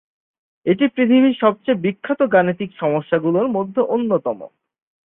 এটি পৃথিবীর সবচেয়ে বিখ্যাত গাণিতিক সমস্যাগুলোর মধ্যে অন্যতম।